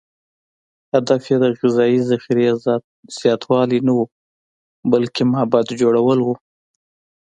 هدف یې د غذایي ذخیرې زیاتوالی نه و، بلکې معبد جوړول و.